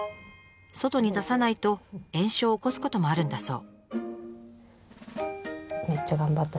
外に出さないと炎症を起こすこともあるんだそう。